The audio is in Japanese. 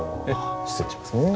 失礼しますね。